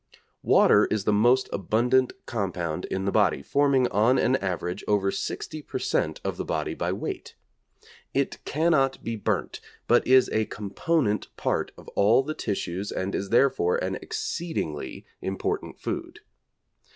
Water is the most abundant compound in the body, forming on an average, over sixty per cent. of the body by weight. It cannot be burnt, but is a component part of all the tissues and is therefore an exceedingly, important food.